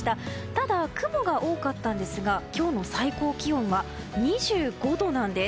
ただ、雲が多かったんですが今日の最高気温は２５度なんです。